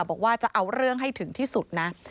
บอกว่าจะเอาเรื่องให้ถึงที่สุดนะ